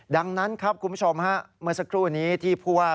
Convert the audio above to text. ดังนั้นครับคุณผู้ชมฮะเมื่อสักครู่นี้ที่ผู้ว่า